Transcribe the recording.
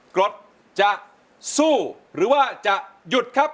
กรดจะสู้หรือว่าจะหยุดครับ